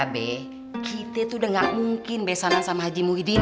kita tuh udah gak mungkin besanan sama haji muhyiddin